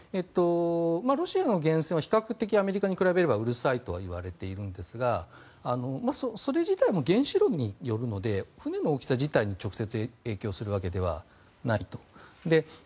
ロシアの原潜は比較的アメリカのものに比べればうるさいとは言われているんですがそれ自体も原子炉によるので船の大きさ自体に直接影響するわけではないと。